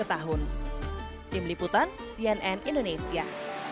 tim liputan cnn indonesia